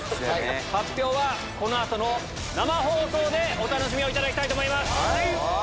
発表はこのあとの生放送でお楽しみをいただきたいと思います。